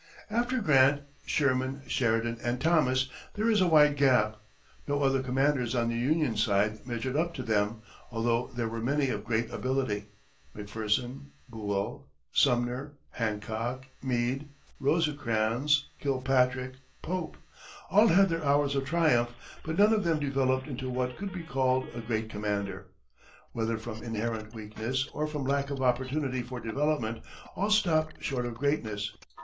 After Grant, Sherman, Sheridan and Thomas, there is a wide gap. No other commanders on the Union side measured up to them, although there were many of great ability. McPherson, Buell, Sumner, Hancock, Meade, Rosecrans, Kilpatrick, Pope all had their hours of triumph, but none of them developed into what could be called a great commander. Whether from inherent weakness, or from lack of opportunity for development, all stopped short of greatness.